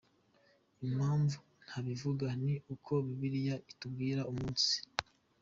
Impamvu ntabivuga ni uko Bibiliya itatubwira umunsi